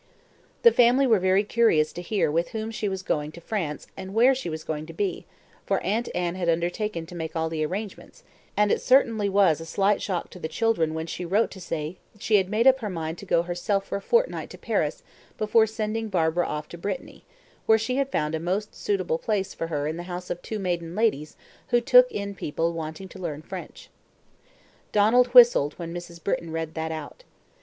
The family were very curious to hear with whom she was going to France and where she was going to be, for Aunt Anne had undertaken to make all the arrangements, and it certainly was a slight shock to the children when she wrote to say she had made up her mind to go herself for a fortnight to Paris before sending Barbara off to Brittany, where she had found a "most suitable place" for her in the house of two maiden ladies who took in people wanting to learn French. Donald whistled when Mrs. Britton read that out.